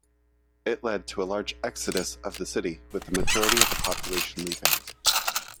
It led to a large exodus of the city, with a majority of the population leaving.